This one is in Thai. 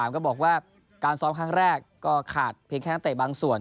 ก็บอกว่าการซ้อมครั้งแรกก็ขาดเพียงแค่นักเตะบางส่วน